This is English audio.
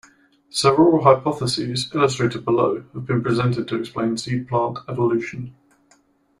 Several hypotheses, illustrated below, have been presented to explain seed plant evolution.